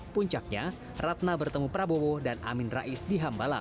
puncaknya ratna bertemu prabowo dan amin rais di hambalang